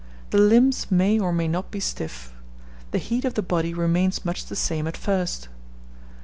The limbs may or may not be stiff. The heat of the body remains much the same at first.